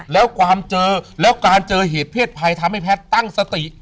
แล้วการเจอเหตุเพศไพรทำให้แพทย์ตั้งสติ